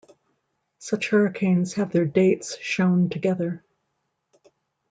Such hurricanes have their dates shown together.